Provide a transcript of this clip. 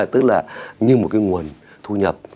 tức là như một cái nguồn thu nhập